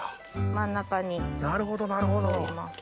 真ん中に添えます。